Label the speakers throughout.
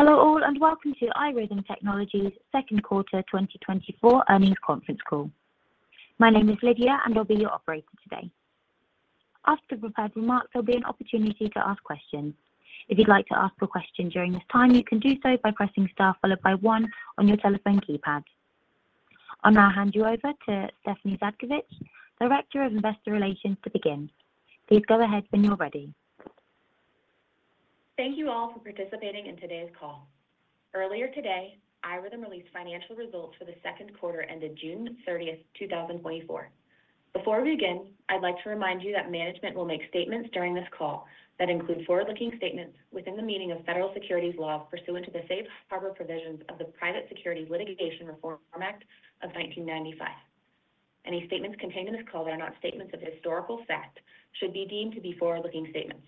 Speaker 1: Hello all, and welcome to iRhythm Technologies' Q2 2024 earnings conference call. My name is Lydia, and I'll be your operator today. After the prepared remarks, there'll be an opportunity to ask questions. If you'd like to ask a question during this time, you can do so by pressing star followed by one on your telephone keypad. I'll now hand you over to Stephanie Zhadkevich, Director of Investor Relations, to begin. Please go ahead when you're ready.
Speaker 2: Thank you all for participating in today's call. Earlier today, iRhythm released financial results for the Q2 ended June 30, 2024. Before we begin, I'd like to remind you that management will make statements during this call that include forward-looking statements within the meaning of federal securities laws pursuant to the Safe Harbor provisions of the Private Securities Litigation Reform Act of 1995. Any statements contained in this call that are not statements of historical fact should be deemed to be forward-looking statements.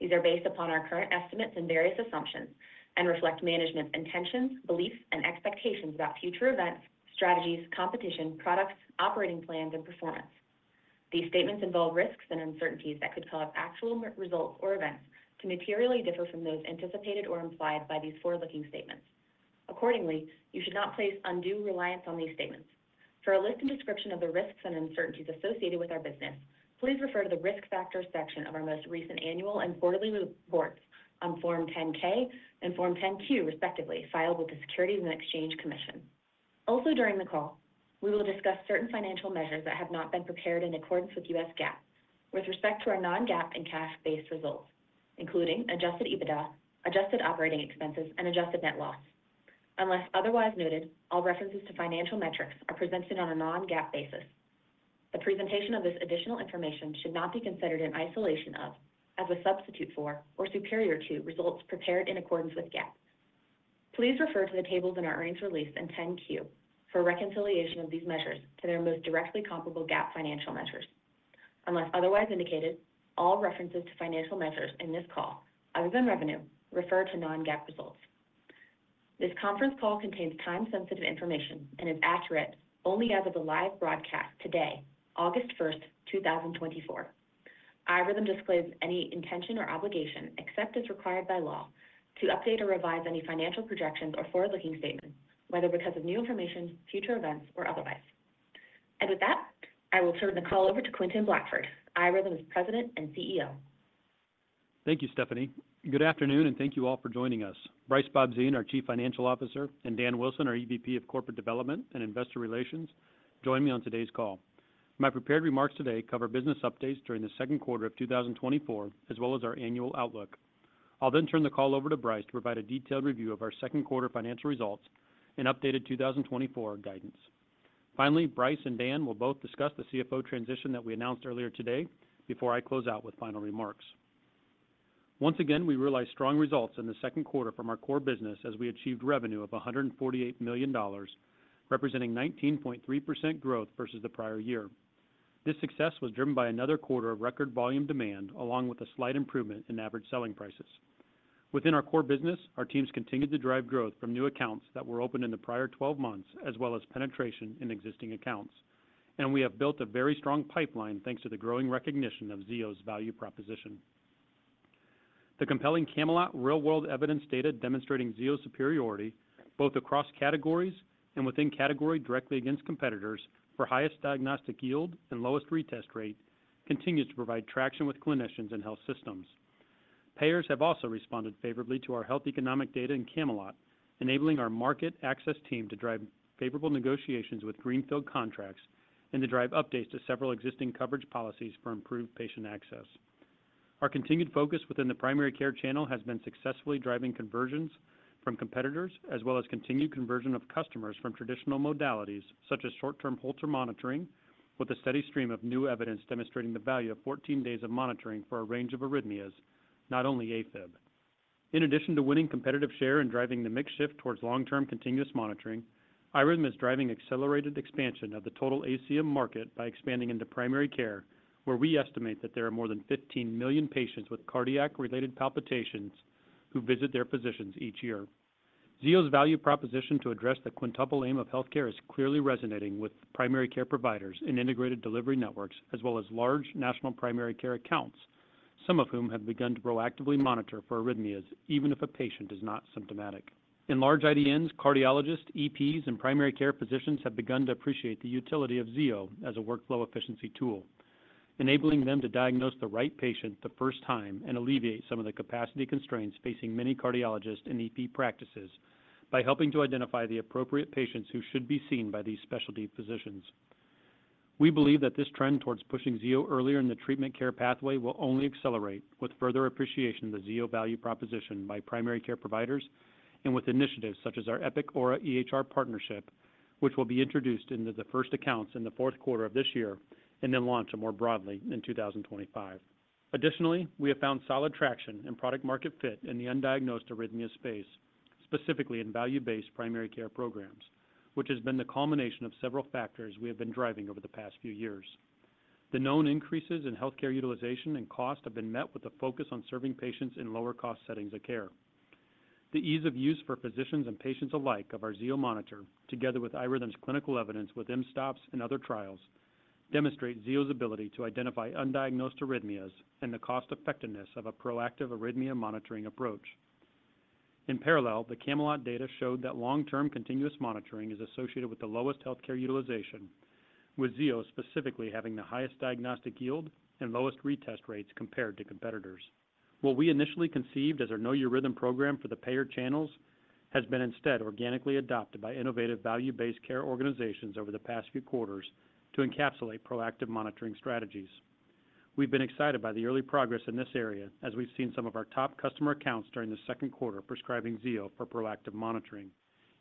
Speaker 2: These are based upon our current estimates and various assumptions and reflect management's intentions, beliefs, and expectations about future events, strategies, competition, products, operating plans, and performance. These statements involve risks and uncertainties that could cause actual results or events to materially differ from those anticipated or implied by these forward-looking statements. Accordingly, you should not place undue reliance on these statements. For a list and description of the risks and uncertainties associated with our business, please refer to the Risk Factors section of our most recent annual and quarterly reports on Form 10-K and Form 10-Q, respectively, filed with the Securities and Exchange Commission. Also during the call, we will discuss certain financial measures that have not been prepared in accordance with US GAAP. With respect to our non-GAAP and cash-based results, including Adjusted EBITDA, adjusted operating expenses, and adjusted net loss. Unless otherwise noted, all references to financial metrics are presented on a non-GAAP basis. The presentation of this additional information should not be considered in isolation of, as a substitute for, or superior to results prepared in accordance with GAAP. Please refer to the tables in our earnings release and 10-Q for a reconciliation of these measures to their most directly comparable GAAP financial measures. Unless otherwise indicated, all references to financial measures in this call other than revenue refer to non-GAAP results. This conference call contains time-sensitive information and is accurate only as of the live broadcast today, August 1, 2024. iRhythm disclaims any intention or obligation, except as required by law, to update or revise any financial projections or forward-looking statements, whether because of new information, future events, or otherwise. With that, I will turn the call over to Quentin Blackford, iRhythm's President and CEO.
Speaker 3: Thank you, Stephanie. Good afternoon, and thank you all for joining us. Brice Bobzien, our Chief Financial Officer, and Dan Wilson, our EVP of Corporate Development and Investor Relations, join me on today's call. My prepared remarks today cover business updates during the Q2 of 2024, as well as our annual outlook. I'll then turn the call over to Brice to provide a detailed review of our Q2 financial results and updated 2024 guidance. Finally, Brice and Dan will both discuss the CFO transition that we announced earlier today before I close out with final remarks. Once again, we realized strong results in the Q2 from our core business as we achieved revenue of $148 million, representing 19.3% growth versus the prior year. This success was driven by another quarter of record volume demand, along with a slight improvement in average selling prices. Within our core business, our teams continued to drive growth from new accounts that were opened in the prior twelve months, as well as penetration in existing accounts. We have built a very strong pipeline, thanks to the growing recognition of Zio's value proposition. The compelling CAMELOT real-world evidence data demonstrating Zio's superiority, both across categories and within category directly against competitors for highest diagnostic yield and lowest retest rate, continues to provide traction with clinicians and health systems. Payers have also responded favorably to our health economic data in CAMELOT, enabling our market access team to drive favorable negotiations with greenfield contracts and to drive updates to several existing coverage policies for improved patient access. Our continued focus within the primary care channel has been successfully driving conversions from competitors, as well as continued conversion of customers from traditional modalities such as short-term Holter monitoring, with a steady stream of new evidence demonstrating the value of 14 days of monitoring for a range of arrhythmias, not only AFib. In addition to winning competitive share and driving the mix shift towards long-term continuous monitoring, iRhythm is driving accelerated expansion of the total ACM market by expanding into primary care, where we estimate that there are more than 15 million patients with cardiac-related palpitations who visit their physicians each year. Zio's value proposition to address the Quintuple Aim of healthcare is clearly resonating with primary care providers in integrated delivery networks, as well as large national primary care accounts, some of whom have begun to proactively monitor for arrhythmias, even if a patient is not symptomatic. In large IDNs, cardiologists, EPs, and primary care physicians have begun to appreciate the utility of Zio as a workflow efficiency tool, enabling them to diagnose the right patient the first time and alleviate some of the capacity constraints facing many cardiologists in EP practices by helping to identify the appropriate patients who should be seen by these specialty physicians. We believe that this trend towards pushing Zio earlier in the treatment care pathway will only accelerate with further appreciation of the Zio value proposition by primary care providers and with initiatives such as our Epic Aura EHR partnership, which will be introduced into the first accounts in the Q4 of this year and then launched more broadly in 2025. Additionally, we have found solid traction and product-market fit in the undiagnosed arrhythmia space, specifically in value-based primary care programs, which has been the culmination of several factors we have been driving over the past few years. The known increases in healthcare utilization and cost have been met with a focus on serving patients in lower-cost settings of care. The ease of use for physicians and patients alike of our Zio monitor, together with iRhythm's clinical evidence with mSToPS and other trials, demonstrate Zio's ability to identify undiagnosed arrhythmias and the cost-effectiveness of a proactive arrhythmia monitoring approach. In parallel, the CAMELOT data showed that long-term continuous monitoring is associated with the lowest healthcare utilization, with Zio specifically having the highest diagnostic yield and lowest retest rates compared to competitors. What we initially conceived as our Know Your Rhythm program for the payer channels, has been instead organically adopted by innovative value-based care organizations over the past few quarters to encapsulate proactive monitoring strategies. We've been excited by the early progress in this area as we've seen some of our top customer accounts during the Q2 prescribing Zio for proactive monitoring.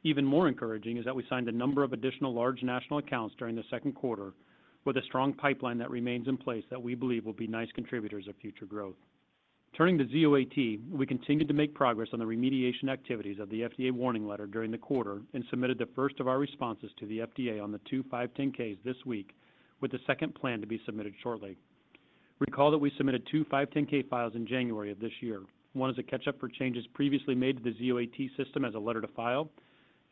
Speaker 3: Even more encouraging is that we signed a number of additional large national accounts during the Q2 with a strong pipeline that remains in place that we believe will be nice contributors of future growth. Turning to Zio AT, we continued to make progress on the remediation activities of the FDA warning letter during the quarter and submitted the first of our responses to the FDA on the two 510(k)s this week, with the second plan to be submitted shortly. Recall that we submitted two 510(k) files in January of this year. One is a catch-up for changes previously made to the Zio AT system as a letter to file,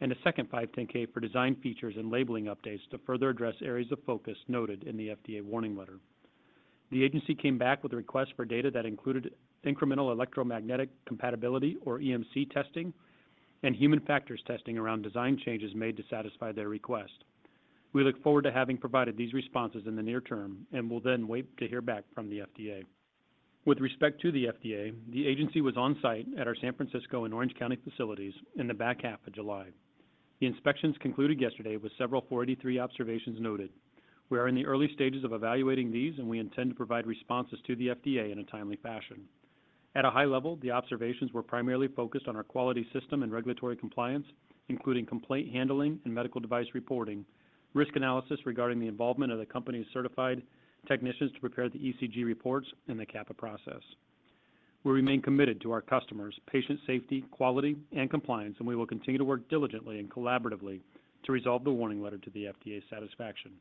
Speaker 3: and a second 510(k) for design features and labeling updates to further address areas of focus noted in the FDA warning letter. The agency came back with a request for data that included incremental electromagnetic compatibility or EMC testing and human factors testing around design changes made to satisfy their request. We look forward to having provided these responses in the near term and will then wait to hear back from the FDA. With respect to the FDA, the agency was on-site at our San Francisco and Orange County facilities in the back half of July. The inspections concluded yesterday with several 483 observations noted. We are in the early stages of evaluating these, and we intend to provide responses to the FDA in a timely fashion. At a high level, the observations were primarily focused on our quality system and regulatory compliance, including complaint handling and medical device reporting, risk analysis regarding the involvement of the company's certified technicians to prepare the ECG reports, and the CAPA process. We remain committed to our customers, patient safety, quality, and compliance, and we will continue to work diligently and collaboratively to resolve the warning letter to the FDA's satisfaction.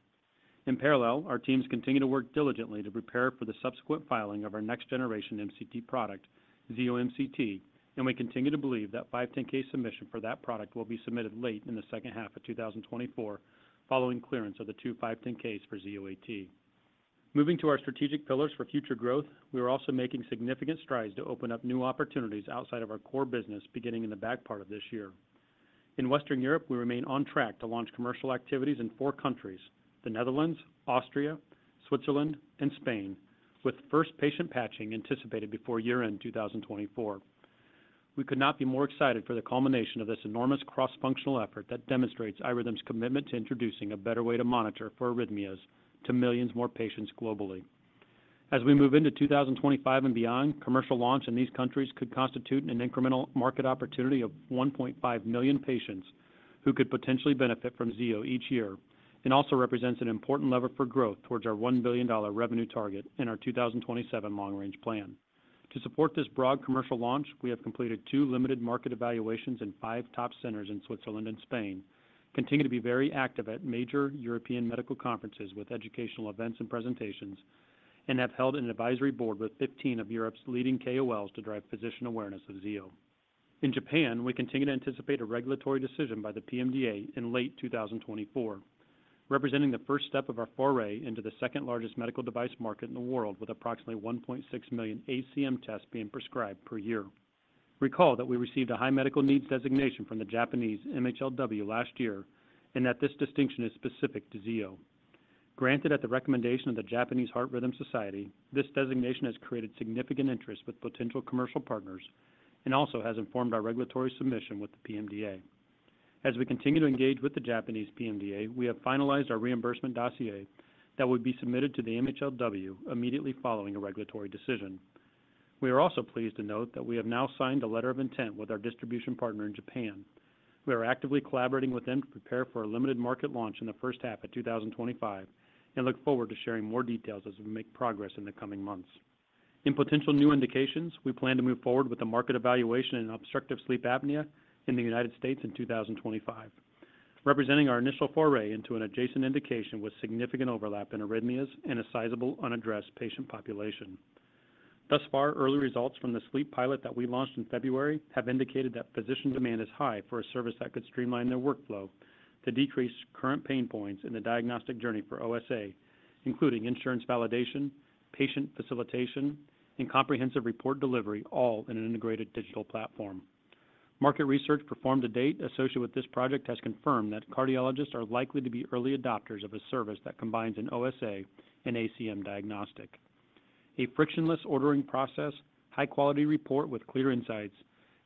Speaker 3: In parallel, our teams continue to work diligently to prepare for the subsequent filing of our next-generation MCT product, Zio MCT, and we continue to believe that 510(k) submission for that product will be submitted late in the H2 of 2024, following clearance of the two 510(k)s for Zio AT. Moving to our strategic pillars for future growth, we are also making significant strides to open up new opportunities outside of our core business, beginning in the back part of this year. In Western Europe, we remain on track to launch commercial activities in four countries: the Netherlands, Austria, Switzerland, and Spain, with first patient patching anticipated before year-end 2024. We could not be more excited for the culmination of this enormous cross-functional effort that demonstrates iRhythm's commitment to introducing a better way to monitor for arrhythmias to millions more patients globally. As we move into 2025 and beyond, commercial launch in these countries could constitute an incremental market opportunity of 1.5 million patients who could potentially benefit from Zio each year, and also represents an important lever for growth towards our $1 billion revenue target in our 2027 long-range plan. To support this broad commercial launch, we have completed 2 limited market evaluations in 5 top centers in Switzerland and Spain, continue to be very active at major European medical conferences with educational events and presentations, and have held an advisory board with 15 of Europe's leading KOLs to drive physician awareness of Zio. In Japan, we continue to anticipate a regulatory decision by the PMDA in late 2024, representing the first step of our foray into the second-largest medical device market in the world, with approximately 1.6 million ACM tests being prescribed per year. Recall that we received a high medical needs designation from the Japanese MHLW last year and that this distinction is specific to Zio. Granted, at the recommendation of the Japanese Heart Rhythm Society, this designation has created significant interest with potential commercial partners and also has informed our regulatory submission with the PMDA. As we continue to engage with the Japanese PMDA, we have finalized our reimbursement dossier that would be submitted to the MHLW immediately following a regulatory decision. We are also pleased to note that we have now signed a letter of intent with our distribution partner in Japan. We are actively collaborating with them to prepare for a limited market launch in the H1 of 2025 and look forward to sharing more details as we make progress in the coming months. In potential new indications, we plan to move forward with a market evaluation in obstructive sleep apnea in the United States in 2025, representing our initial foray into an adjacent indication with significant overlap in arrhythmias and a sizable unaddressed patient population. Thus far, early results from the sleep pilot that we launched in February have indicated that physician demand is high for a service that could streamline their workflow to decrease current pain points in the diagnostic journey for OSA, including insurance validation, patient facilitation, and comprehensive report delivery, all in an integrated digital platform. Market research performed to date associated with this project has confirmed that cardiologists are likely to be early adopters of a service that combines an OSA and ACM diagnostic. A frictionless ordering process, high-quality report with clear insights,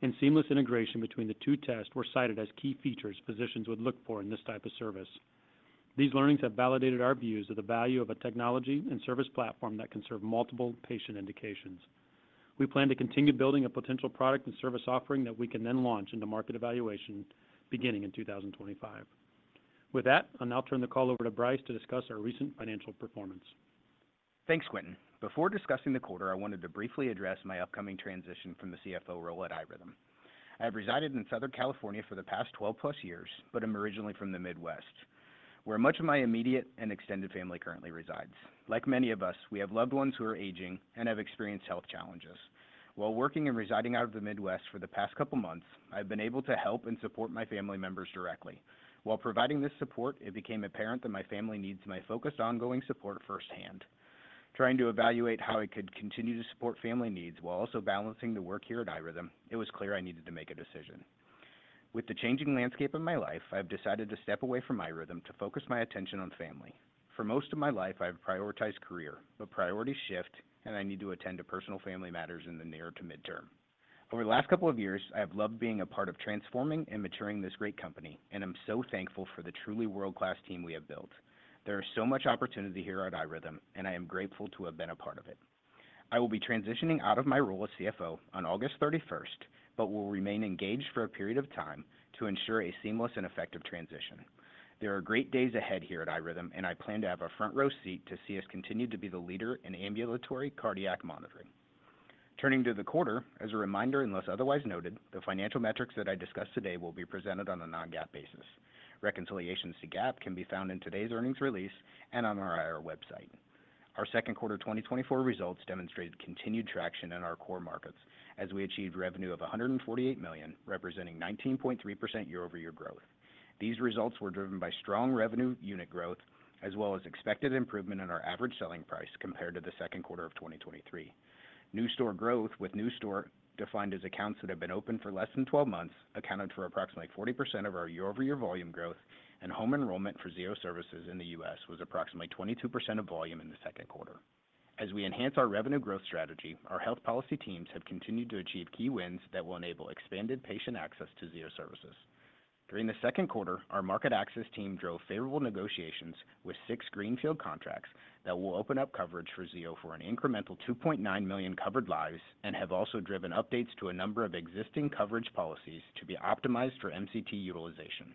Speaker 3: and seamless integration between the two tests were cited as key features physicians would look for in this type of service. These learnings have validated our views of the value of a technology and service platform that can serve multiple patient indications. We plan to continue building a potential product and service offering that we can then launch into market evaluation beginning in 2025. With that, I'll now turn the call over to Brice to discuss our recent financial performance.
Speaker 4: Thanks, Quentin. Before discussing the quarter, I wanted to briefly address my upcoming transition from the CFO role at iRhythm. I have resided in Southern California for the past 12+ years, but I'm originally from the Midwest, where much of my immediate and extended family currently reside. Like many of us, we have loved ones who are aging and have experienced health challenges. While working and residing out of the Midwest for the past couple months, I've been able to help and support my family members directly. While providing this support, it became apparent that my family needs my focused, ongoing support firsthand. Trying to evaluate how I could continue to support family needs while also balancing the work here at iRhythm, it was clear I needed to make a decision. With the changing landscape of my life, I've decided to step away from iRhythm to focus my attention on family. For most of my life, I've prioritized career, but priorities shift, and I need to attend to personal family matters in the near to midterm. Over the last couple of years, I have loved being a part of transforming and maturing this great company, and I'm so thankful for the truly world-class team we have built. There is so much opportunity here at iRhythm, and I am grateful to have been a part of it. I will be transitioning out of my role as CFO on August 31st, but will remain engaged for a period of time to ensure a seamless and effective transition. There are great days ahead here at iRhythm, and I plan to have a front row seat to see us continue to be the leader in ambulatory cardiac monitoring. Turning to the quarter, as a reminder, unless otherwise noted, the financial metrics that I discussed today will be presented on a non-GAAP basis. Reconciliations to GAAP can be found in today's earnings release and on our IR website. Our Q2 2024 results demonstrated continued traction in our core markets as we achieved revenue of $148 million, representing 19.3% year-over-year growth. These results were driven by strong revenue unit growth, as well as expected improvement in our average selling price compared to the Q2 of 2023. New store growth, with new store defined as accounts that have been open for less than 12 months, accounted for approximately 40% of our year-over-year volume growth, and home enrollment for Zio Services in the U.S. was approximately 22% of volume in the Q2. As we enhance our revenue growth strategy, our health policy teams have continued to achieve key wins that will enable expanded patient access to Zio Services. During the Q2, our market access team drove favorable negotiations with six greenfield contracts that will open up coverage for Zio for an incremental 2.9 million covered lives and have also driven updates to a number of existing coverage policies to be optimized for MCT utilization.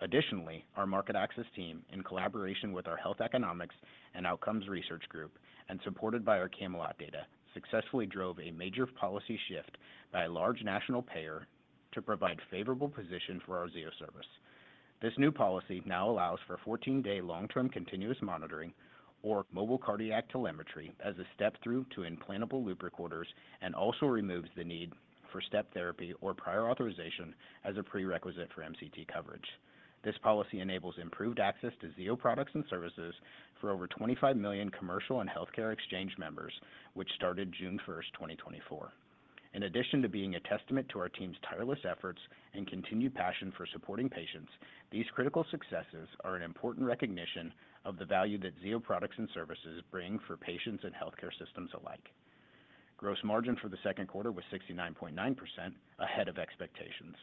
Speaker 4: Additionally, our market access team, in collaboration with our health economics and outcomes research group, and supported by our CAMELOT data, successfully drove a major policy shift by a large national payer to provide favorable position for our Zio service. This new policy now allows for a 14-day long-term continuous monitoring or mobile cardiac telemetry as a step through to implantable loop recorders, and also removes the need for step therapy or prior authorization as a prerequisite for MCT coverage. This policy enables improved access to Zio products and services for over 25 million commercial and healthcare exchange members, which started June 1, 2024. In addition to being a testament to our team's tireless efforts and continued passion for supporting patients, these critical successes are an important recognition of the value that Zio products and services bring for patients and healthcare systems alike. Gross margin for the Q2 was 69.9% ahead of expectations.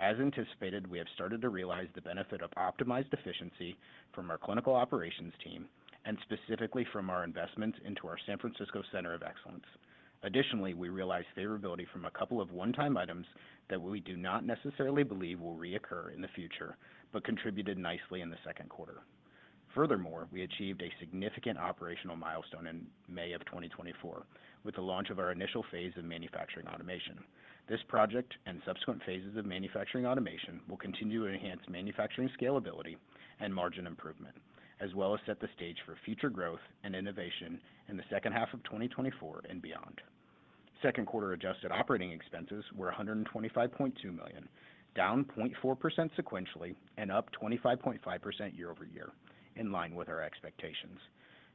Speaker 4: As anticipated, we have started to realize the benefit of optimized efficiency from our clinical operations team and specifically from our investments into our San Francisco Center of Excellence. Additionally, we realized favorability from a couple of one-time items that we do not necessarily believe will reoccur in the future, but contributed nicely in the Q2. Furthermore, we achieved a significant operational milestone in May of 2024 with the launch of our initial phase of manufacturing automation. This project and subsequent phases of manufacturing automation will continue to enhance manufacturing scalability and margin improvement, as well as set the stage for future growth and innovation in the H2 of 2024 and beyond. Q2 adjusted operating expenses were $125.2 million, down 0.4% sequentially and up 25.5% year-over-year, in line with our expectations.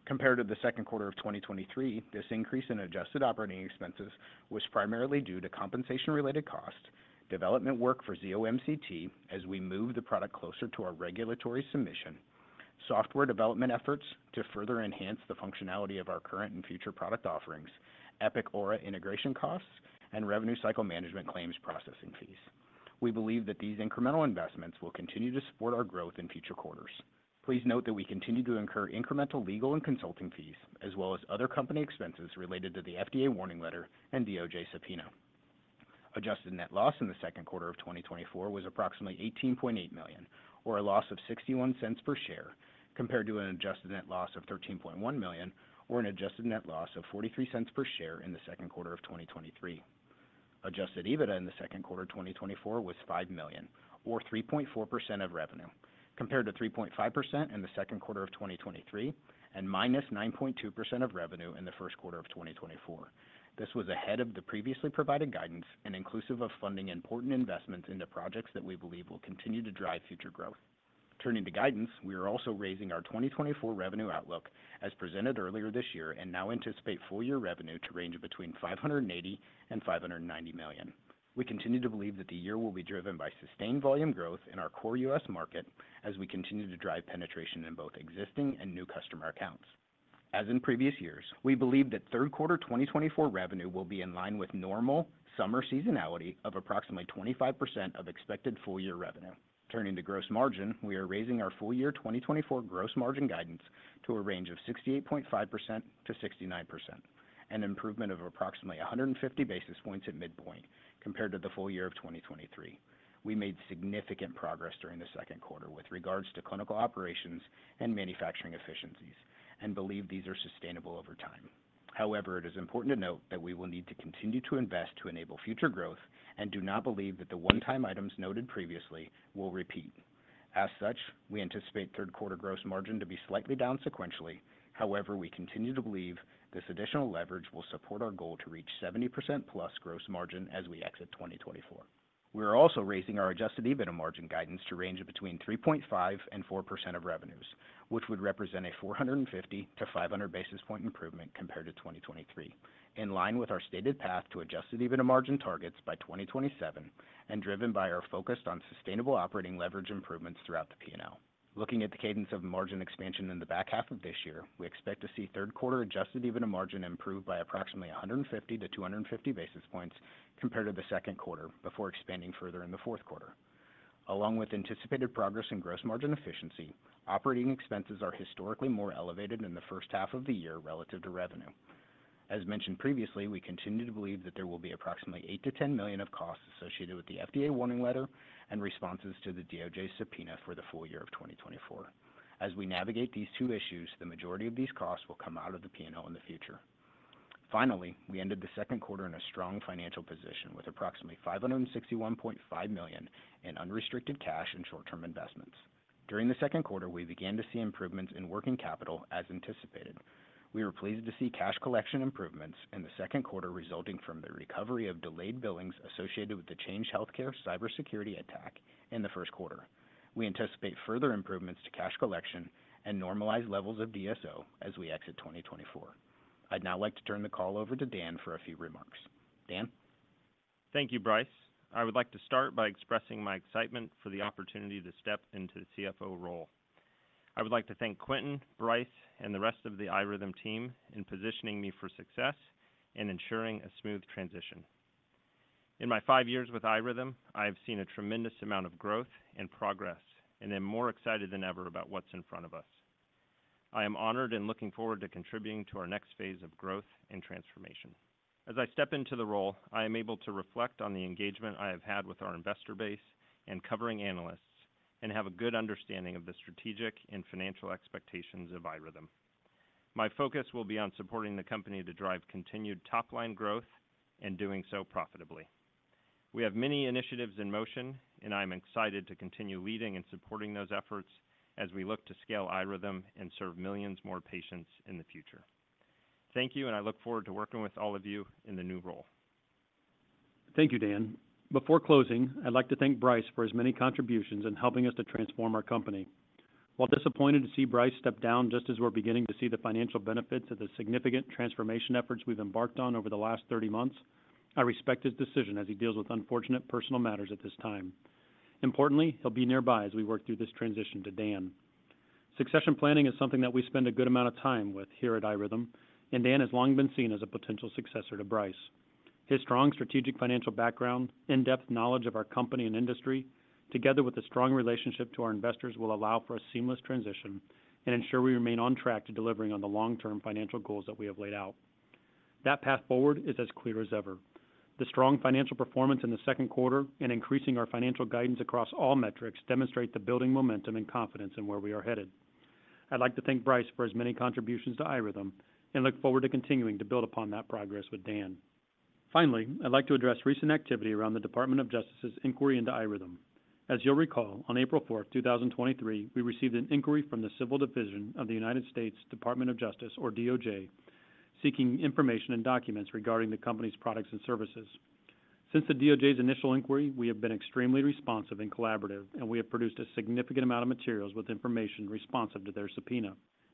Speaker 4: Compared to the Q2 of 2023, this increase in adjusted operating expenses was primarily due to compensation-related costs, development work for Zio MCT as we move the product closer to our regulatory submission, software development efforts to further enhance the functionality of our current and future product offerings, Epic Aura integration costs, and revenue cycle management claims processing fees. We believe that these incremental investments will continue to support our growth in future quarters. Please note that we continue to incur incremental legal and consulting fees, as well as other company expenses related to the FDA warning letter and DOJ subpoena. Adjusted net loss in the Q2 of 2024 was approximately $18.8 million, or a loss of $0.61 per share, compared to an adjusted net loss of $13.1 million, or an adjusted net loss of $0.43 per share in the Q2 of 2023. Adjusted EBITDA in the Q2 of 2024 was $5 million, or 3.4% of revenue, compared to 3.5% in the Q2 of 2023 and -9.2% of revenue in the Q1 of 2024. This was ahead of the previously provided guidance and inclusive of funding important investments into projects that we believe will continue to drive future growth. Turning to guidance, we are also raising our 2024 revenue outlook as presented earlier this year, and now anticipate full year revenue to range between $580 million and $590 million. We continue to believe that the year will be driven by sustained volume growth in our core US market as we continue to drive penetration in both existing and new customer accounts. As in previous years, we believe that Q3 2024 revenue will be in line with normal summer seasonality of approximately 25% of expected full year revenue. Turning to gross margin, we are raising our full year 2024 gross margin guidance to a range of 68.5%-69%, an improvement of approximately 150 basis points at midpoint compared to the full year of 2023. We made significant progress during the Q2 with regards to clinical operations and manufacturing efficiencies and believe these are sustainable over time. However, it is important to note that we will need to continue to invest to enable future growth and do not believe that the one-time items noted previously will repeat. As such, we anticipate Q3 gross margin to be slightly down sequentially. However, we continue to believe this additional leverage will support our goal to reach 70%+ gross margin as we exit 2024. We are also raising our adjusted EBITDA margin guidance to range between 3.5%-4% of revenues, which would represent a 450-500 basis point improvement compared to 2023, in line with our stated path to adjusted EBITDA margin targets by 2027, and driven by our focus on sustainable operating leverage improvements throughout the P&L. Looking at the cadence of margin expansion in the back half of this year, we expect to see Q3 adjusted EBITDA margin improve by approximately 150-250 basis points compared to the Q2, before expanding further in the Q4. Along with anticipated progress in gross margin efficiency, operating expenses are historically more elevated in the H1 of the year relative to revenue. As mentioned previously, we continue to believe that there will be approximately $8 million-$10 million of costs associated with the FDA warning letter and responses to the DOJ subpoena for the full year of 2024. As we navigate these two issues, the majority of these costs will come out of the P&L in the future. Finally, we ended the Q2 in a strong financial position, with approximately $561.5 million in unrestricted cash and short-term investments. During the Q2, we began to see improvements in working capital, as anticipated. We were pleased to see cash collection improvements in the Q2, resulting from the recovery of delayed billings associated with the Change Healthcare cybersecurity attack in the Q1. We anticipate further improvements to cash collection and normalized levels of DSO as we exit 2024. I'd now like to turn the call over to Dan for a few remarks. Dan?
Speaker 5: Thank you, Brice. I would like to start by expressing my excitement for the opportunity to step into the CFO role. I would like to thank Quentin, Brice, and the rest of the iRhythm team in positioning me for success and ensuring a smooth transition. In my five years with iRhythm, I have seen a tremendous amount of growth and progress, and I'm more excited than ever about what's in front of us. I am honored and looking forward to contributing to our next phase of growth and transformation. As I step into the role, I am able to reflect on the engagement I have had with our investor base and covering analysts, and have a good understanding of the strategic and financial expectations of iRhythm. My focus will be on supporting the company to drive continued top-line growth and doing so profitably. We have many initiatives in motion, and I'm excited to continue leading and supporting those efforts as we look to scale iRhythm and serve millions more patients in the future. Thank you, and I look forward to working with all of you in the new role.
Speaker 3: Thank you, Dan. Before closing, I'd like to thank Brice for his many contributions in helping us to transform our company. While disappointed to see Brice step down, just as we're beginning to see the financial benefits of the significant transformation efforts we've embarked on over the last 30 months, I respect his decision as he deals with unfortunate personal matters at this time. Importantly, he'll be nearby as we work through this transition to Dan. Succession planning is something that we spend a good amount of time with here at iRhythm, and Dan has long been seen as a potential successor to Brice. His strong strategic financial background, in-depth knowledge of our company and industry, together with a strong relationship to our investors, will allow for a seamless transition and ensure we remain on track to delivering on the long-term financial goals that we have laid out. That path forward is as clear as ever. The strong financial performance in the Q2 and increasing our financial guidance across all metrics demonstrate the building momentum and confidence in where we are headed. I'd like to thank Brice for his many contributions to iRhythm, and look forward to continuing to build upon that progress with Dan. Finally, I'd like to address recent activity around the Department of Justice's inquiry into iRhythm. As you'll recall, on April fourth, two thousand twenty-three, we received an inquiry from the Civil Division of the United States Department of Justice, or DOJ, seeking information and documents regarding the company's products and services. Since the DOJ's initial inquiry, we have been extremely responsive and collaborative, and we have produced a significant amount of materials with information responsive to their subpoena.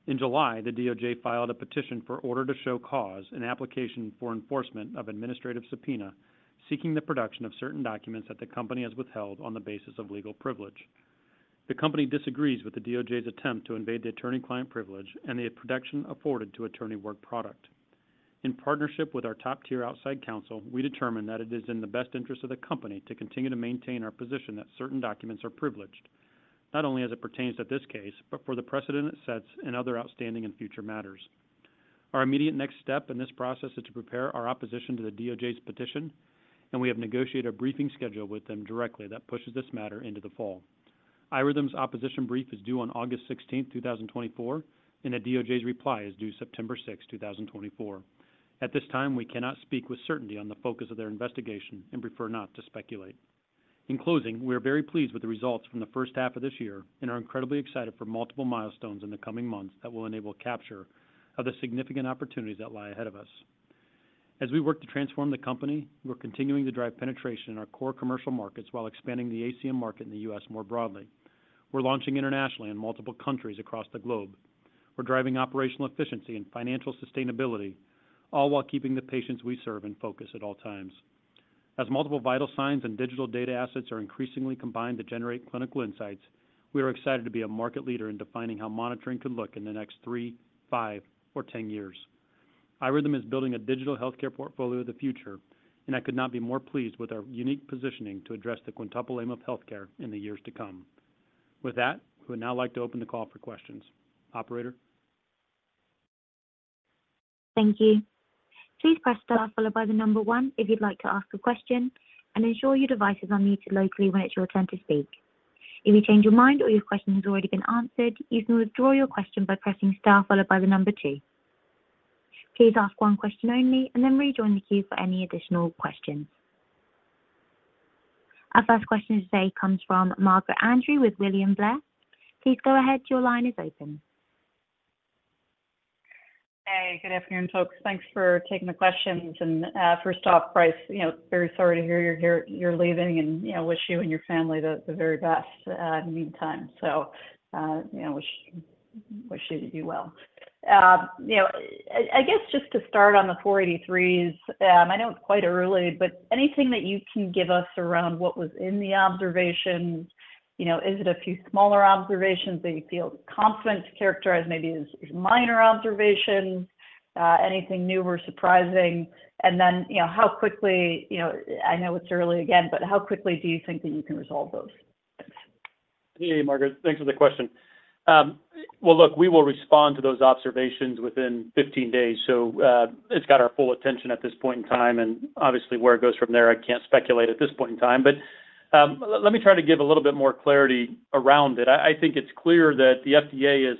Speaker 3: In July, the DOJ filed a petition for order to show cause, an application for enforcement of administrative subpoena, seeking the production of certain documents that the company has withheld on the basis of legal privilege. The company disagrees with the DOJ's attempt to invade the attorney-client privilege and the protection afforded to attorney work product. In partnership with our top-tier outside counsel, we determined that it is in the best interest of the company to continue to maintain our position that certain documents are privileged, not only as it pertains to this case, but for the precedent it sets in other outstanding and future matters. Our immediate next step in this process is to prepare our opposition to the DOJ's petition, and we have negotiated a briefing schedule with them directly that pushes this matter into the fall. iRhythm's opposition brief is due on August 16, 2024, and the DOJ's reply is due September 6, 2024. At this time, we cannot speak with certainty on the focus of their investigation and prefer not to speculate. In closing, we are very pleased with the results from the H1 of this year and are incredibly excited for multiple milestones in the coming months that will enable capture of the significant opportunities that lie ahead of us. As we work to transform the company, we're continuing to drive penetration in our core commercial markets while expanding the ACM market in the U.S. more broadly. We're launching internationally in multiple countries across the globe. We're driving operational efficiency and financial sustainability, all while keeping the patients we serve in focus at all times. As multiple vital signs and digital data assets are increasingly combined to generate clinical insights, we are excited to be a market leader in defining how monitoring could look in the next three, five, or 10 years. iRhythm is building a digital healthcare portfolio of the future, and I could not be more pleased with our unique positioning to address the Quintuple Aim of healthcare in the years to come. With that, we would now like to open the call for questions. Operator?
Speaker 1: Thank you. Please press star followed by the number 1 if you'd like to ask a question, and ensure your device is on mute locally when it's your turn to speak. If you change your mind or your question has already been answered, you can withdraw your question by pressing star followed by the number 2. Please ask one question only, and then rejoin the queue for any additional questions. Our first question today comes from Margaret Andrew with William Blair. Please go ahead. Your line is open.
Speaker 6: Hey, good afternoon, folks. Thanks for taking the questions. And, first off, Brice, you know, very sorry to hear you're here—you're leaving and, you know, wish you and your family the very best, in the meantime. So, you know, wish you to do well. You know, I guess just to start on the 483s, I know it's quite early, but anything that you can give us around what was in the observations? You know, is it a few smaller observations that you feel confident to characterize maybe as minor observations? Anything new or surprising? And then, you know, how quickly—you know, I know it's early again, but how quickly do you think that you can resolve those?
Speaker 4: Hey, Margaret, thanks for the question. Well, look, we will respond to those observations within 15 days, so, it's got our full attention at this point in time, and obviously, where it goes from there, I can't speculate at this point in time. But, let me try to give a little bit more clarity around it. I think it's clear that the FDA is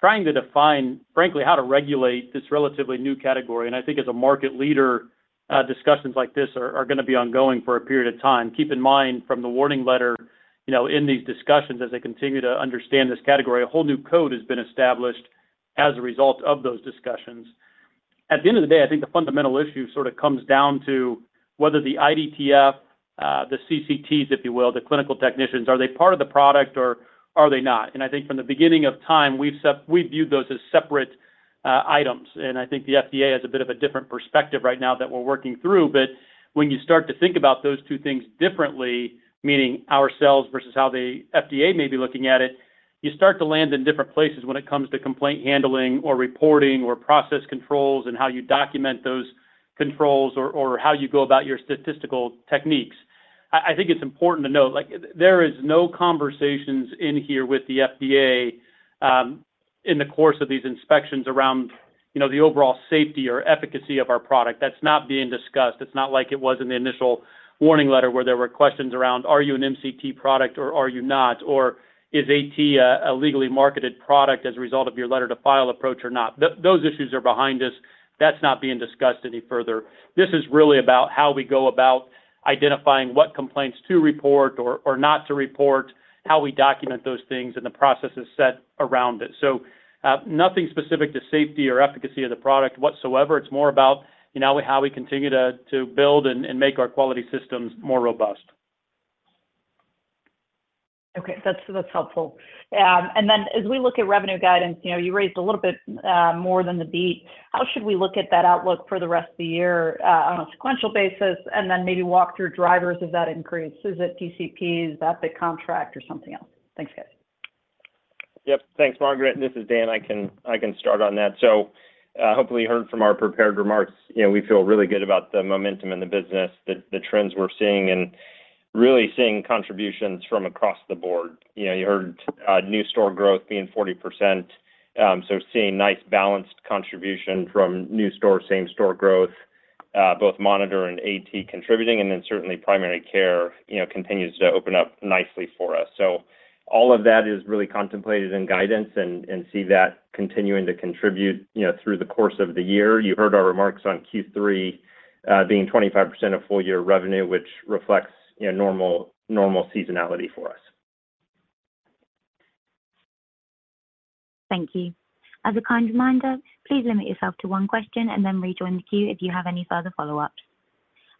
Speaker 4: trying to define, frankly, how to regulate this relatively new category. And I think as a market leader, discussions like this are gonna be ongoing for a period of time. Keep in mind, from the warning letter, you know, in these discussions, as they continue to understand this category, a whole new code has been established as a result of those discussions. At the end of the day, I think the fundamental issue sort of comes down to whether the IDTF, the CCTs, if you will, the clinical technicians, are they part of the product or are they not? And I think from the beginning of time, we've viewed those as separate items. And I think the FDA has a bit of a different perspective right now that we're working through. But when you start to think about those two things differently, meaning ourselves versus how the FDA may be looking at it, you start to land in different places when it comes to complaint handling or reporting or process controls and how you document those controls or how you go about your statistical techniques. I think it's important to note, like, there is no conversations in here with the FDA, in the course of these inspections around, you know, the overall safety or efficacy of our product. That's not being discussed. It's not like it was in the initial warning letter, where there were questions around: Are you an MCT product or are you not? Or is AT a legally marketed product as a result of your letter to file approach or not? Those issues are behind us. That's not being discussed any further. This is really about how we go about identifying what complaints to report or not to report, how we document those things, and the processes set around it. So, nothing specific to safety or efficacy of the product whatsoever. It's more about, you know, how we continue to build and make our quality systems more robust.
Speaker 6: Okay, that's helpful. And then as we look at revenue guidance, you know, you raised a little bit more than the beat. How should we look at that outlook for the rest of the year on a sequential basis? And then maybe walk through drivers of that increase. Is it PCP? Is that big contract or something else? Thanks, guys.
Speaker 5: Yep. Thanks, Margaret. This is Dan. I can start on that. So, hopefully, you heard from our prepared remarks, you know, we feel really good about the momentum in the business, the trends we're seeing, and really seeing contributions from across the board. You know, you heard new store growth being 40%. So seeing nice, balanced contribution from new store, same store growth, both monitor and AT contributing, and then certainly primary care, you know, continues to open up nicely for us. So all of that is really contemplated in guidance and see that continuing to contribute, you know, through the course of the year. You heard our remarks on Q3 being 25% of full year revenue, which reflects, you know, normal seasonality for us.
Speaker 1: Thank you. As a kind reminder, please limit yourself to one question and then rejoin the queue if you have any further follow-ups.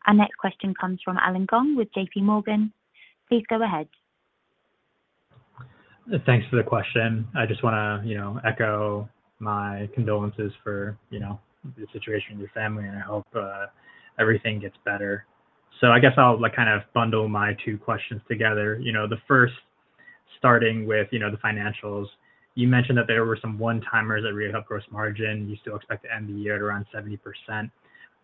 Speaker 1: Our next question comes from Allen Gong with JPMorgan. Please go ahead.
Speaker 7: Thanks for the question. I just wanna, you know, echo my condolences for, you know, the situation with your family, and I hope everything gets better. So I guess I'll, like, kind of bundle my two questions together. You know, the first starting with, you know, the financials. You mentioned that there were some one-timers that really helped gross margin. You still expect to end the year at around 70%,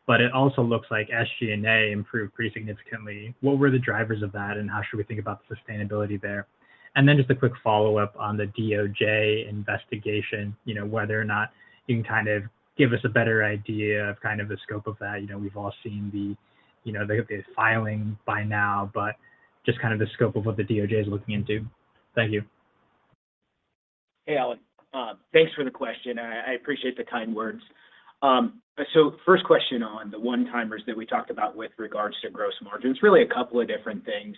Speaker 7: but it also looks like SG&A improved pretty significantly. What were the drivers of that, and how should we think about the sustainability there? And then just a quick follow-up on the DOJ investigation, you know, whether or not you can kind of give us a better idea of kind of the scope of that. You know, we've all seen the, you know, the filing by now, but just kind of the scope of what the DOJ is looking into. Thank you.
Speaker 3: Hey, Allen, thanks for the question, and I appreciate the kind words. So first question on the one-timers that we talked about with regards to gross margins. Really a couple of different things.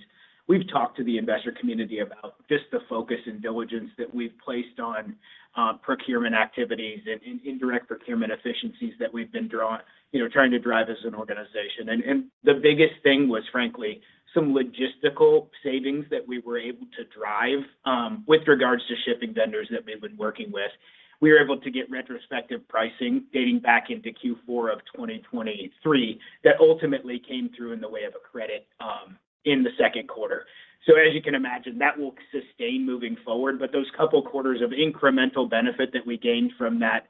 Speaker 3: We've talked to the investor community about just the focus and diligence that we've placed on procurement activities and indirect procurement efficiencies that we've been drawing, you know, trying to drive as an organization. And the biggest thing was, frankly, some logistical savings that we were able to drive with regards to shipping vendors that we've been working with. We were able to get retrospective pricing dating back into Q4 of 2023, that ultimately came through in the way of a credit in the Q2. So as you can imagine, that will sustain moving forward, but those couple of quarters of incremental benefit that we gained from that,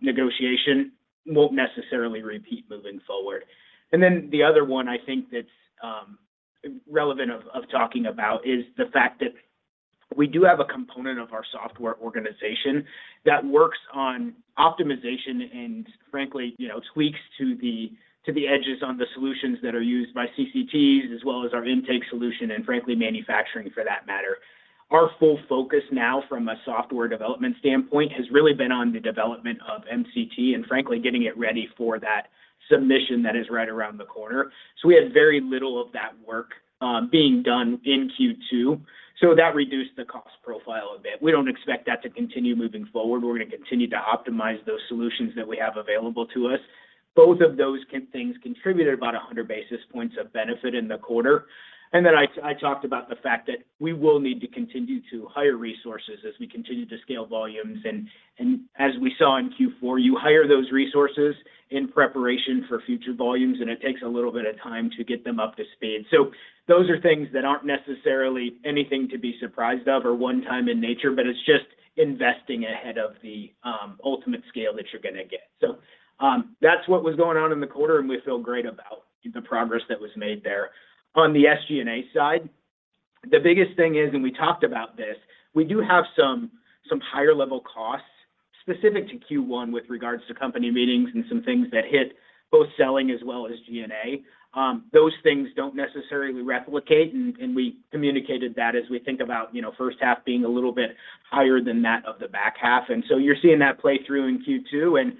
Speaker 3: negotiation won't necessarily repeat moving forward. And then the other one, I think that's relevant of talking about is the fact that we do have a component of our software organization that works on optimization and frankly, you know, tweaks to the edges on the solutions that are used by CCTs, as well as our intake solution, and frankly, manufacturing for that matter. Our full focus now from a software development standpoint has really been on the development of MCT and frankly, getting it ready for that submission that is right around the corner. So we had very little of that work being done in Q2, so that reduced the cost profile a bit. We don't expect that to continue moving forward, but we're gonna continue to optimize those solutions that we have available to us. Both of those things contributed about 100 basis points of benefit in the quarter. And then I talked about the fact that we will need to continue to hire resources as we continue to scale volumes. And as we saw in Q4, you hire those resources in preparation for future volumes, and it takes a little bit of time to get them up to speed. So those are things that aren't necessarily anything to be surprised of or one time in nature, but it's just investing ahead of the ultimate scale that you're gonna get. So that's what was going on in the quarter, and we feel great about the progress that was made there. On the SG&A side, the biggest thing is, and we talked about this, we do have some higher level costs specific to Q1 with regards to company meetings and some things that hit both selling as well as G&A. Those things don't necessarily replicate, and we communicated that as we think about, you know, H1 being a little bit higher than that of the back half. And so you're seeing that play through in Q2, and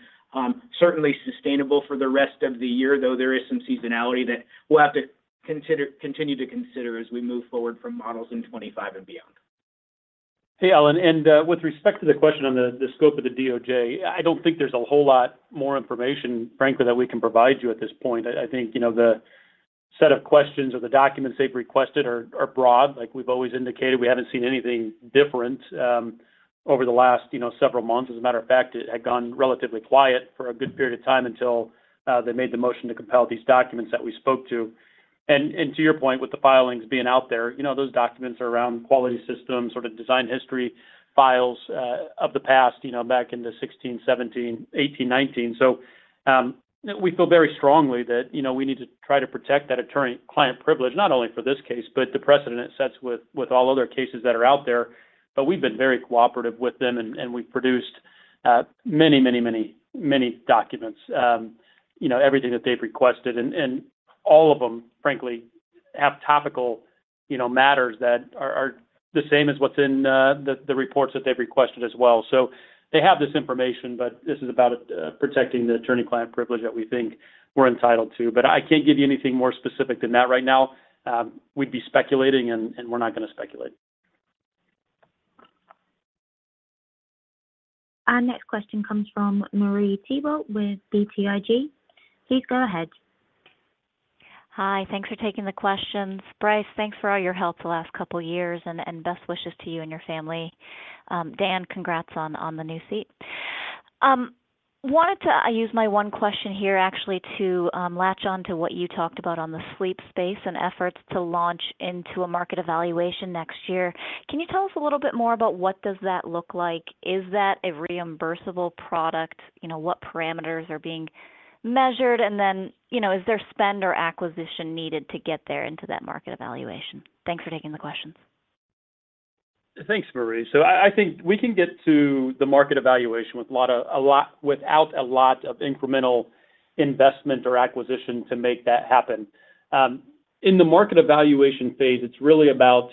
Speaker 3: certainly sustainable for the rest of the year, though there is some seasonality that we'll have to continue to consider as we move forward from models in 2025 and beyond.
Speaker 4: Hey, Allen, and, with respect to the question on the, the scope of the DOJ, I don't think there's a whole lot more information, frankly, that we can provide you at this point. I think, you know, the set of questions or the documents they've requested are, are broad. Like we've always indicated, we haven't seen anything different, over the last, you know, several months. As a matter of fact, it had gone relatively quiet for a good period of time until they made the motion to compel these documents that we spoke to. And, to your point, with the filings being out there, you know, those documents are around quality systems, sort of design history files, of the past, you know, back in the 2016, 2017, 2018, 2019. So, we feel very strongly that, you know, we need to try to protect that attorney-client privilege, not only for this case, but the precedent it sets with all other cases that are out there. But we've been very cooperative with them, and we've produced many, many, many, many documents, you know, everything that they've requested. And all of them, frankly, have topical, you know, matters that are the same as what's in the reports that they've requested as well. So they have this information, but this is about protecting the attorney-client privilege that we think we're entitled to. But I can't give you anything more specific than that right now. We'd be speculating, and we're not gonna speculate.
Speaker 1: Our next question comes from Marie Thibault with BTIG. Please go ahead.
Speaker 8: Hi, thanks for taking the questions. Brice, thanks for all your help the last couple of years, and best wishes to you and your family. Dan, congrats on the new seat. I use my one question here, actually, to latch on to what you talked about on the sleep space and efforts to launch into a market evaluation next year. Can you tell us a little bit more about what does that look like? Is that a reimbursable product? You know, what parameters are being measured? And then, you know, is there spend or acquisition needed to get there into that market evaluation? Thanks for taking the questions.
Speaker 3: Thanks, Marie. So I think we can get to the market evaluation without a lot of incremental investment or acquisition to make that happen. In the market evaluation phase, it's really about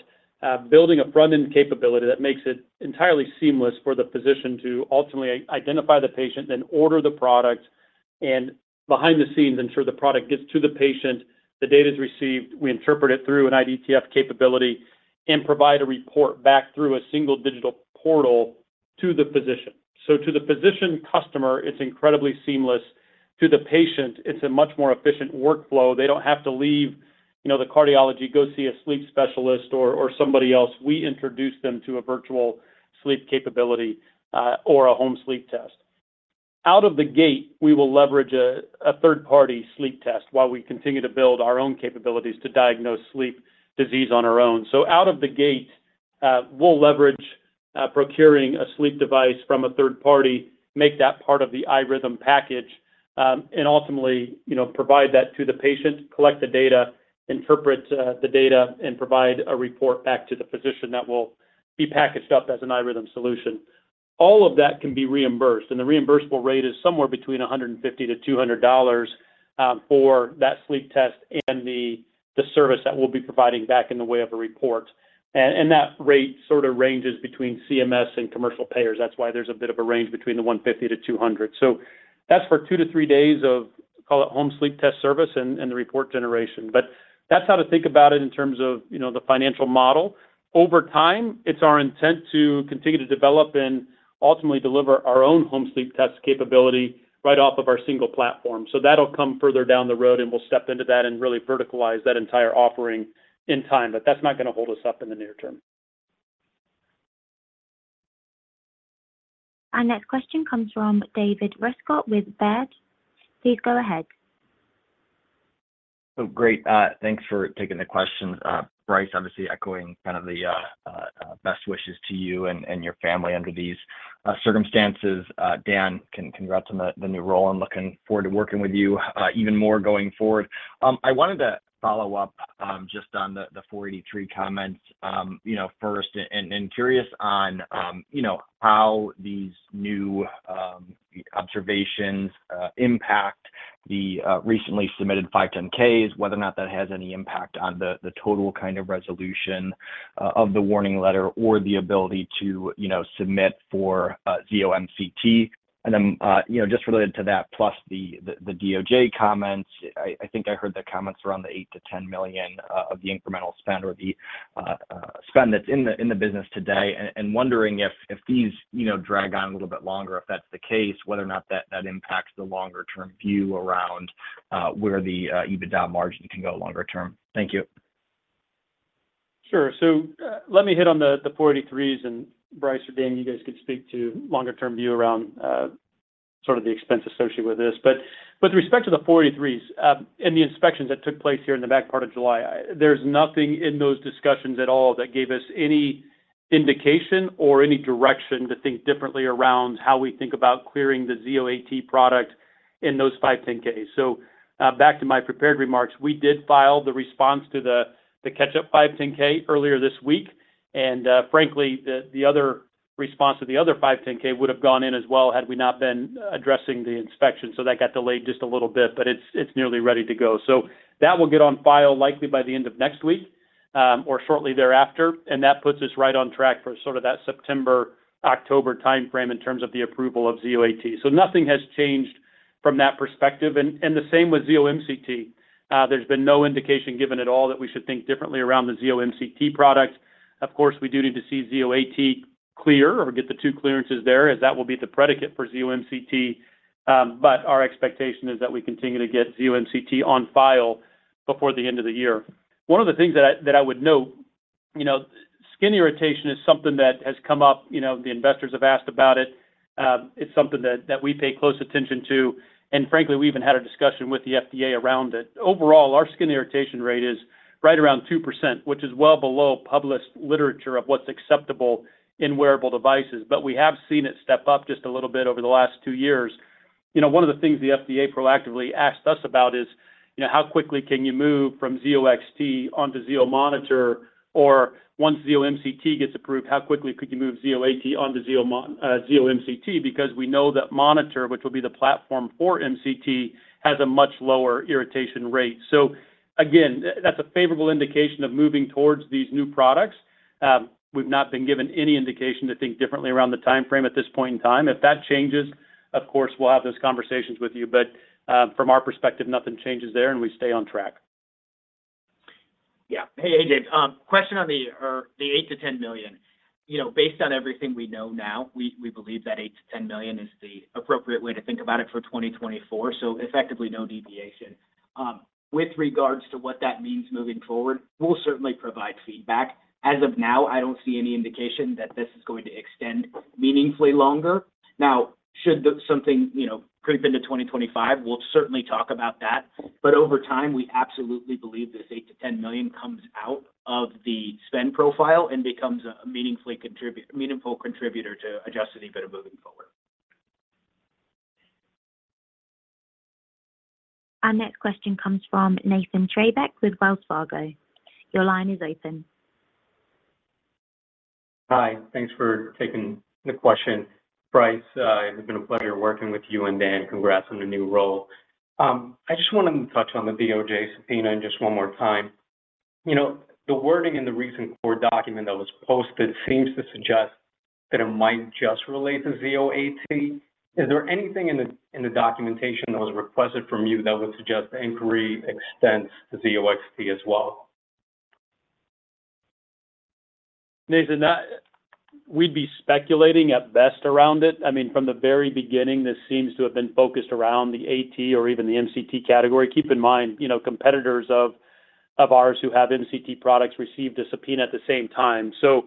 Speaker 3: building a front-end capability that makes it entirely seamless for the physician to ultimately identify the patient, then order the product, and behind the scenes, ensure the product gets to the patient, the data is received, we interpret it through an IDTF capability, and provide a report back through a single digital portal to the physician. So to the physician customer, it's incredibly seamless. To the patient, it's a much more efficient workflow. They don't have to leave, you know, the cardiology, go see a sleep specialist or somebody else. We introduce them to a virtual sleep capability or a home sleep test. Out of the gate, we will leverage a third-party sleep test while we continue to build our own capabilities to diagnose sleep disease on our own. So out of the gate, we'll leverage procuring a sleep device from a third party, make that part of the iRhythm package, and ultimately, you know, provide that to the patient, collect the data, interpret the data, and provide a report back to the physician that will be packaged up as an iRhythm solution. All of that can be reimbursed, and the reimbursable rate is somewhere between $150-$200 for that sleep test and the service that we'll be providing back in the way of a report. That rate sort of ranges between CMS and commercial payers. That's why there's a bit of a range between the $150-$200. So that's for 2-3 days of, call it, home sleep test service and the report generation. But that's how to think about it in terms of, you know, the financial model. Over time, it's our intent to continue to develop and ultimately deliver our own home sleep test capability right off of our single platform. So that'll come further down the road, and we'll step into that and really verticalize that entire offering in time, but that's not gonna hold us up in the near term.
Speaker 1: Our next question comes from David Rescott with Baird. Please go ahead.
Speaker 9: Oh, great. Thanks for taking the questions. Brice, obviously echoing kind of the best wishes to you and your family under these circumstances. Dan, congrats on the new role. I'm looking forward to working with you, even more going forward. I wanted to follow up just on the 483 comments, you know, first and curious on, you know, how these new observations impact the recently submitted 510(k)s, whether or not that has any impact on the total kind of resolution of the warning letter or the ability to, you know, submit for Zio MCT. Then, you know, just related to that, plus the DOJ comments, I think I heard the comments around the $8 million-$10 million of the incremental spend or the spend that's in the business today. Wondering if these, you know, drag on a little bit longer, if that's the case, whether or not that impacts the longer-term view around where the EBITDA margin can go longer term. Thank you.
Speaker 3: Sure. So, let me hit on the, the 483s, and Brice or Dan, you guys could speak to longer term view around, sort of the expense associated with this. But, with respect to the 483s, and the inspections that took place here in the back part of July, there's nothing in those discussions at all that gave us any indication or any direction to think differently around how we think about clearing the Zio AT product in those 510(k)s. So, back to my prepared remarks, we did file the response to the, the catch-up 510(k) earlier this week, and, frankly, the, the other response to the other 510(k) would have gone in as well had we not been addressing the inspection. So that got delayed just a little bit, but it's, it's nearly ready to go. So that will get on file likely by the end of next week, or shortly thereafter, and that puts us right on track for sort of that September, October timeframe in terms of the approval of Zio AT. So nothing has changed from that perspective. And the same with Zio MCT. There's been no indication given at all that we should think differently around the Zio MCT product. Of course, we do need to see Zio AT clear or get the two clearances there, as that will be the predicate for Zio MCT. But our expectation is that we continue to get Zio MCT on file before the end of the year. One of the things that I would note, you know, skin irritation is something that has come up, you know, the investors have asked about it. It's something that we pay close attention to, and frankly, we even had a discussion with the FDA around it. Overall, our skin irritation rate is right around 2%, which is well below published literature of what's acceptable in wearable devices. But we have seen it step up just a little bit over the last two years. You know, one of the things the FDA proactively asked us about is, you know, How quickly can you move from Zio XT on to Zio Monitor? Or once Zio MCT gets approved, how quickly could you move Zio AT on to Zio MCT? Because we know that monitor, which will be the platform for MCT, has a much lower irritation rate. So again, that's a favorable indication of moving towards these new products. We've not been given any indication to think differently around the timeframe at this point in time. If that changes, of course, we'll have those conversations with you, but, from our perspective, nothing changes there, and we stay on track.
Speaker 4: Yeah. Hey, James, question on the, or the $8 million-$10 million. You know, based on everything we know now, we, we believe that $8 million-$10 million is the appropriate way to think about it for 2024, so effectively, no deviation. With regards to what that means moving forward, we'll certainly provide feedback. As of now, I don't see any indication that this is going to extend meaningfully longer. Now, should the something, you know, creep into 2025, we'll certainly talk about that. But over time, we absolutely believe this $8 million-$10 million comes out of the spend profile and becomes a meaningful contributor to adjusted EBITDA moving forward.
Speaker 1: Our next question comes from Nathan Treybeck with Wells Fargo. Your line is open.
Speaker 10: Hi, thanks for taking the question. Brice, it's been a pleasure working with you and Dan. Congrats on the new role. I just wanted to touch on the DOJ subpoena in just one more time. You know, the wording in the recent court document that was posted seems to suggest that it might just relate to Zio AT. Is there anything in the documentation that was requested from you that would suggest the inquiry extends to Zio XT as well?
Speaker 3: Nathan, that—we'd be speculating at best around it. I mean, from the very beginning, this seems to have been focused around the AT or even the MCT category. Keep in mind, you know, competitors of ours who have MCT products received a subpoena at the same time. So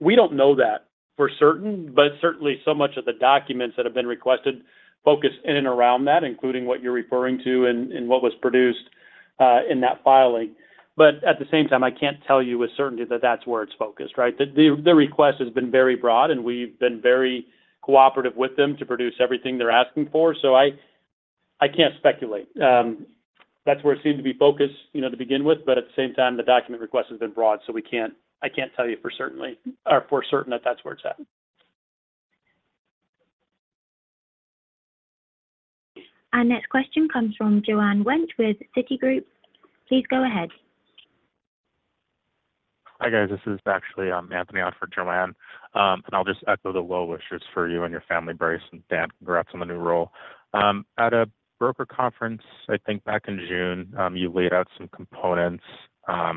Speaker 3: we don't know that for certain, but certainly so much of the documents that have been requested focus in and around that, including what you're referring to and what was produced in that filing. But at the same time, I can't tell you with certainty that that's where it's focused, right? The request has been very broad, and we've been very cooperative with them to produce everything they're asking for. So I can't speculate. That's where it seemed to be focused, you know, to begin with, but at the same time, the document request has been broad, so we can't- I can't tell you for certainly, or for certain that that's where it's at.
Speaker 1: Our next question comes from Joanne Wuensch with Citigroup. Please go ahead.
Speaker 11: Hi, guys. This is actually Anthony on for Joanne. And I'll just echo the well wishes for you and your family, Brice and Dan. Congrats on the new role. At a broker conference, I think back in June, you laid out some components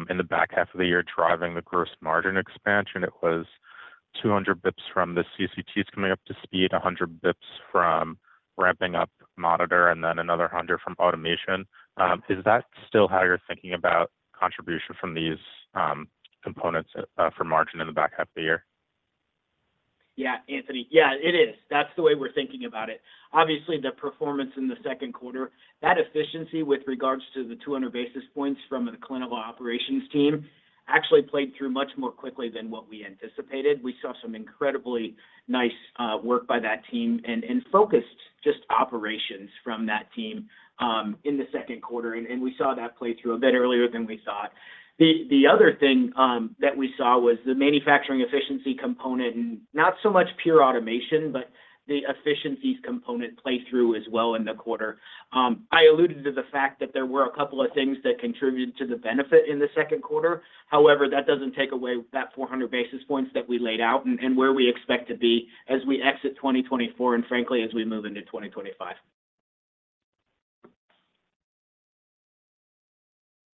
Speaker 11: in the back half of the year driving the gross margin expansion. It was 200 bps from the CCTs coming up to speed, 100 bps from ramping up monitor, and then another 100 from automation. Is that still how you're thinking about contribution from these components for margin in the back half of the year?
Speaker 3: Yeah, Anthony. Yeah, it is. That's the way we're thinking about it. Obviously, the performance in the Q2, that efficiency with regards to the 200 basis points from the clinical operations team actually played through much more quickly than what we anticipated. We saw some incredibly nice work by that team and focused just operations from that team in the Q2, and we saw that play through a bit earlier than we thought. The other thing that we saw was the manufacturing efficiency component, and not so much pure automation, but the efficiencies component play through as well in the quarter. I alluded to the fact that there were a couple of things that contributed to the benefit in the Q2. However, that doesn't take away that 400 basis points that we laid out and where we expect to be as we exit 2024, and frankly, as we move into 2025.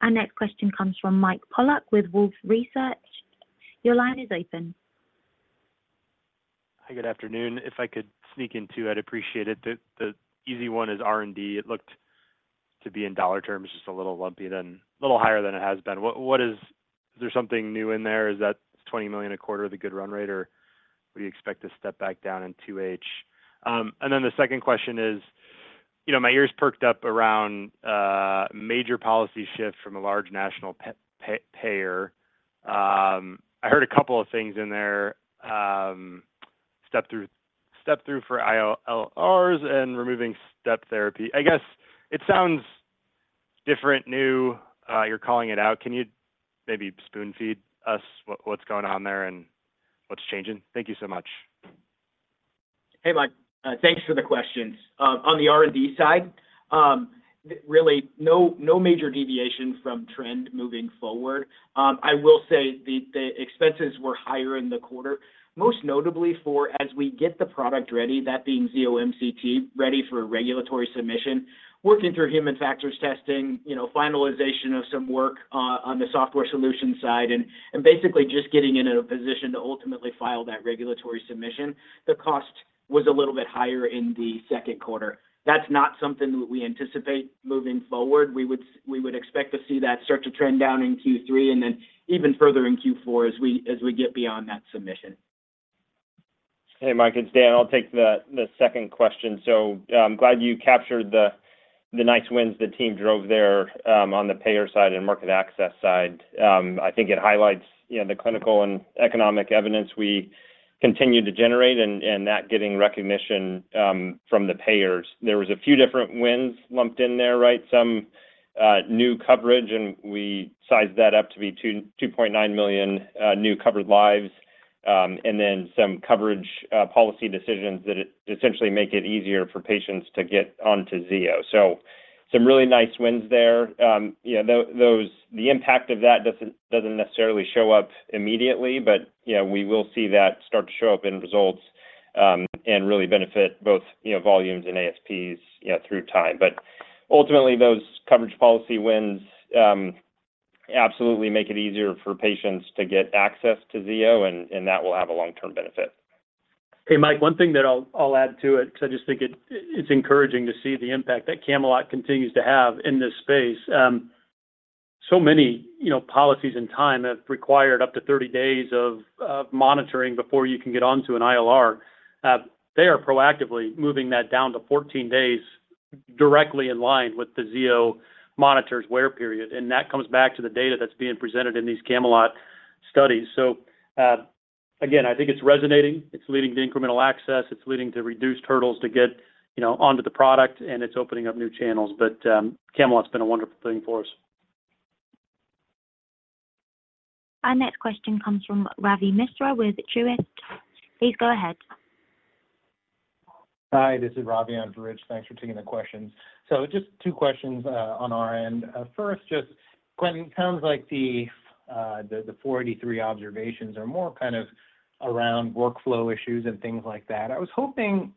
Speaker 1: Our next question comes from Mike Polark with Wolfe Research. Your line is open.
Speaker 12: Hi, good afternoon. If I could sneak in, too, I'd appreciate it. The easy one is R&D. It looked to be in dollar terms, just a little lumpy than-- little higher than it has been. What is-- Is there something new in there? Is that $20 million a quarter the good run rate, or would you expect to step back down in 2H? And then the second question is, you know, my ears perked up around major policy shift from a large national payer. I heard a couple of things in there, step through for ILRs, and removing step therapy. I guess it sounds different, new, you're calling it out. Can you maybe spoon feed us what's going on there and what's changing? Thank you so much.
Speaker 3: Hey, Mike, thanks for the questions. On the R&D side, really no major deviation from trend moving forward. I will say the expenses were higher in the quarter, most notably as we get the product ready, that being Zio MCT, ready for regulatory submission, working through human factors testing, you know, finalization of some work on the software solution side, and basically just getting in a position to ultimately file that regulatory submission. The cost was a little bit higher in the Q2. That's not something that we anticipate moving forward. We would expect to see that start to trend down in Q3 and then even further in Q4 as we get beyond that submission.
Speaker 5: Hey, Mike, it's Dan. I'll take the second question. So, glad you captured the nice wins the team drove there, on the payer side and market access side. I think it highlights, you know, the clinical and economic evidence we continue to generate and that getting recognition from the payers. There was a few different wins lumped in there, right? Some new coverage, and we sized that up to be 2.9 million new covered lives, and then some coverage policy decisions that essentially make it easier for patients to get onto Zio. So some really nice wins there. You know, those the impact of that doesn't necessarily show up immediately, but, you know, we will see that start to show up in results, and really benefit both, you know, volumes and ASPs, you know, through time. But ultimately, those coverage policy wins absolutely make it easier for patients to get access to Zio, and that will have a long-term benefit.
Speaker 3: Hey, Mike, one thing that I'll, I'll add to it, because I just think it, it's encouraging to see the impact that CAMELOT continues to have in this space. So many, you know, policies and time have required up to 30 days of, of monitoring before you can get onto an ILR. They are proactively moving that down to 14 days, directly in line with the Zio monitor's wear period, and that comes back to the data that's being presented in these CAMELOT studies. Again, I think it's resonating, it's leading to incremental access, it's leading to reduced hurdles to get, you know, onto the product, and it's opening up new channels. CAMELOT's been a wonderful thing for us.
Speaker 1: Our next question comes from Ravi Misra with Truist. Please go ahead.
Speaker 13: Hi, this is Ravi on for Rich. Thanks for taking the questions. So just two questions on our end. First, just Quentin, it sounds like the 483 observations are more kind of around workflow issues and things like that. I was hoping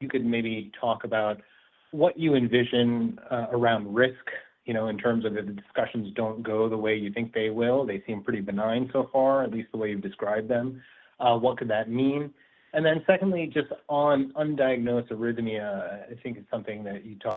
Speaker 13: you could maybe talk about what you envision around risk, you know, in terms of if the discussions don't go the way you think they will. They seem pretty benign so far, at least the way you've described them. What could that mean? And then secondly, just on undiagnosed arrhythmia, I think it's something that you talked-